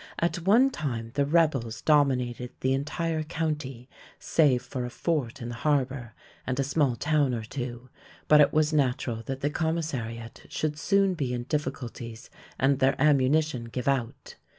At one time the "rebels" dominated the entire county save for a fort in the harbor and a small town or two, but it was natural that the commissariat should soon be in difficulties and their ammunition give out.